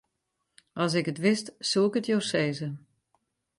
As ik it wist, soe ik it jo sizze.